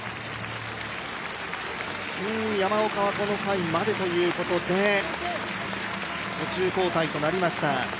山岡はこの回までということで、途中交代となりました。